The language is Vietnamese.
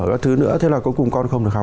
các thứ nữa thế là cuối cùng con không được học